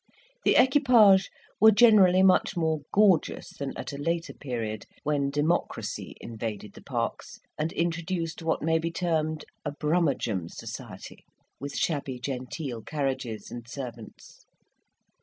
The equipages were generally much more gorgeous than at a later period, when democracy invaded the parks, and introduced what may be termed a "brummagem society," with shabby genteel carriages and servants.